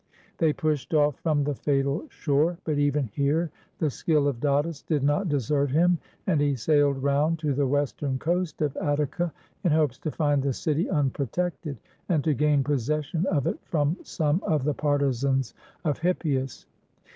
They pushed off from the fatal shore; but even here the skill of Datis did not desert him, and he sailed round to the western coast of Attica, in hopes to find the city unprotected, and to gain possession of it from some of the partisans of Hippias.